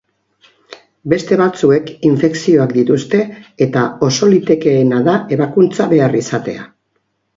Beste batzuek infekzioak dituzte eta oso litekeena da ebakuntza behar izatea.